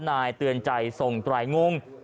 นายเตือนใจส่งตรายงุ่ง